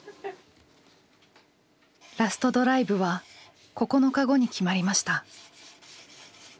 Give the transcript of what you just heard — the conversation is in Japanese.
ラストドライブは９日後に決まりました。